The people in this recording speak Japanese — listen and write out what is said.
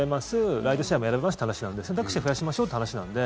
ライドシェアも選べますって話なので選択肢、増やしましょうという話なので。